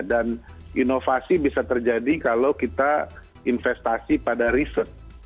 dan inovasi bisa terjadi kalau kita investasi pada riset